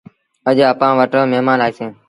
اڄ اَپآن وٽ مهمآݩ آئيٚسي۔